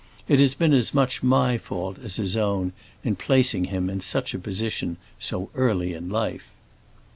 It has been as much my fault as his own in placing him in such a position so early in life."